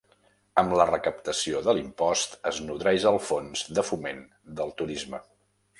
Amb la recaptació de l'impost es nodreix el Fons de foment del turisme.